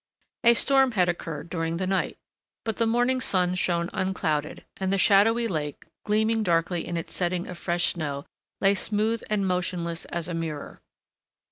A storm had occurred during the night, but the morning sun shone unclouded, and the shadowy lake, gleaming darkly in its setting of fresh snow, lay smooth and motionless as a mirror.